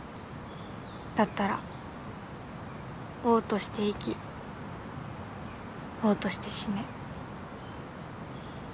だったら王として生き王として死ね」。